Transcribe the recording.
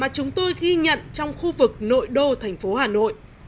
chúng tôi ghi nhận trong khu vực nội đô thành phố hà nội